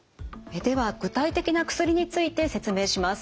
では具体的な薬について説明します。